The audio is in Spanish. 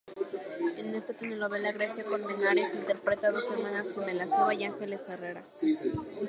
En esta telenovela Grecia Colmenares interpreta dos hermanas gemelas: Eva y Angeles Herrera.